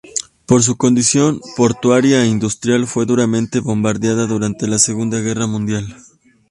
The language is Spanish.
Por su condición portuaria e industrial fue duramente bombardeada durante la Segunda Guerra Mundial.